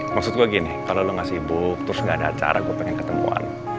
maksud gue gini kalau lo gak sibuk terus gak ada acara gue pengen ketemuan